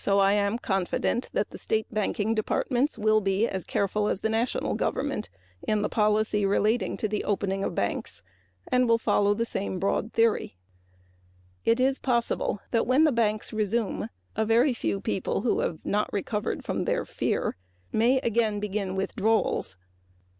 I am confident that the state banking departments will be as careful as the national government in the policy relating to the opening of banks and will follow the same broad policy. It is possible that when the banks resume a very few people who have not recovered from their fear may again begin withdrawals.